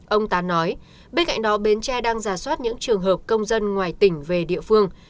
ông tán nói bên cạnh đó bến tre đang giả soát những trường hợp công dân ngoài tỉnh về địa phương